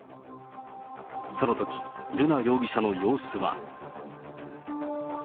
そのとき、瑠奈容疑者の様子は。